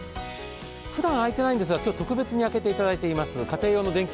ふだん、開いてないんですが今日、特別に開けていただいています。